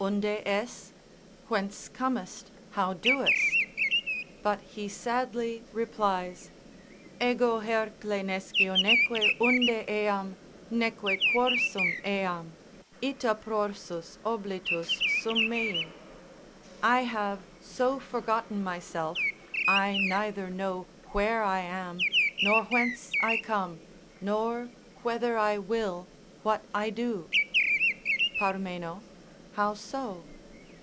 unde es? whence comest, how doest? but he sadly replies, Ego hercle nescio neque unde eam, neque quorsum eam, ita prorsus oblitus sum mei, I have so forgotten myself, I neither know where I am, nor whence I come, nor whether I will, what I do. P. How so?